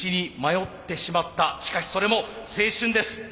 しかしそれも青春です。